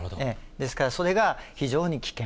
ですから、それが非常に危険。